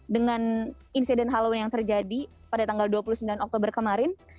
dengan insiden halloween yang terjadi pada tanggal dua puluh sembilan maret dua ribu dua puluh